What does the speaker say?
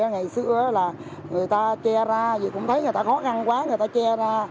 ngày xưa là người ta che ra gì cũng thấy người ta khó khăn quá người ta che ra